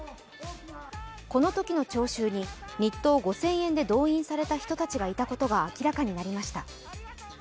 このときの聴衆に、日当５０００円で動員された人たちがいたことが明らかになりました。